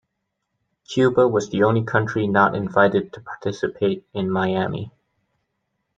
Cuba was the only country not invited to participate in Miami.